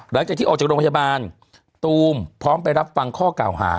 หลังจากที่ออกจากโรงพยาบาลตูมพร้อมไปรับฟังข้อเก่าหา